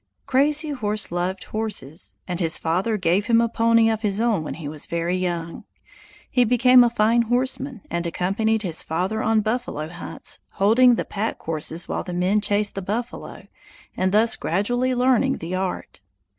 Crazy Horse loved horses, and his father gave him a pony of his own when he was very young. He became a fine horseman and accompanied his father on buffalo hunts, holding the pack horses while the men chased the buffalo and thus gradually learning the art.